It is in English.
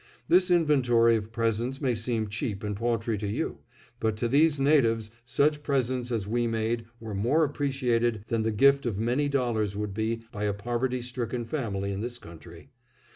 This inventory of presents may seem cheap and paltry to you, but to these natives such presents as we made were more appreciated than the gift of many dollars would be by a poverty stricken family in this country.